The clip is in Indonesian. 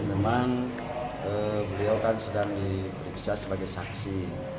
memang beliau kan sedang diperiksa sebagai saksi